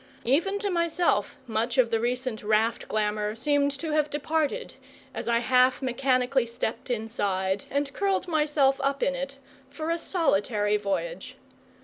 Even to myself much of the recent raft glamour seemed to have departed as I half mechanically stepped inside and curled myself up in it for a solitary voyage.